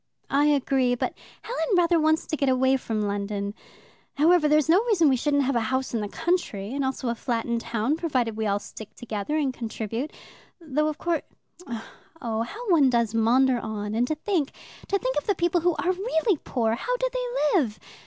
"I agree, but Helen rather wants to get away from London. However, there's no reason we shouldn't have a house in the country and also a flat in town, provided we all stick together and contribute. Though of course Oh, how one does maunder on, and to think, to think of the people who are really poor. How do they live?